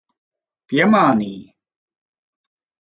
Piemānīji.